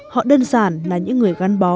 họ đơn giản là những người gắn bó